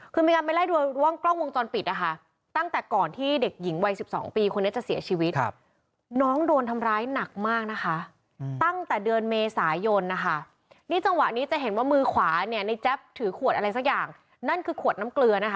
คือมีคนกำลังไปไล่ดวงกล้องวงจอลปิดนะคะ